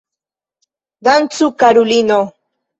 Dancu karulino!